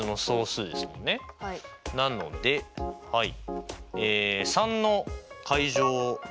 なのではい。